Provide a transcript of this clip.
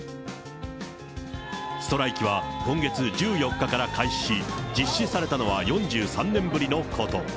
ストライキは今月１４日から開始し、実施されたのは４３年ぶりのこと。